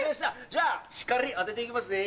じゃあ光当てて行きますね。